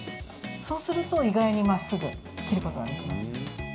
そうすると意外にまっすぐ切ることができます。